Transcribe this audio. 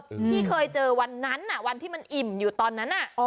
ที่เคยเจอวันนั้นวันที่มันอิ่มอยู่ตอนนั้น